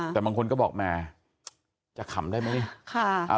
แต่บางคนก็บอกแหมจะขำได้ไหมนี่